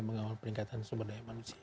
mengawal peningkatan sumber daya manusia